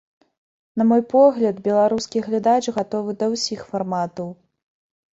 На мой погляд, беларускі глядач гатовы да ўсіх фарматаў.